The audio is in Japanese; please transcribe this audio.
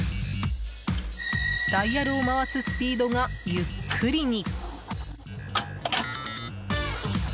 ダイヤルを回すスピードがゆっくりに。